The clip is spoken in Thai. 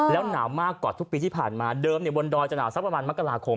แล้วหนาวมากกว่าทุกปีที่ผ่านมาเดิมบนดอยจะหนาวสักประมาณมกราคม